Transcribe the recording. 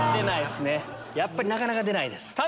やっぱりなかなか出ないです。